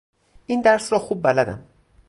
این درس را خوب بلدم.